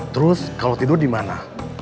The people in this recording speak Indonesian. terus kalau tidur dimana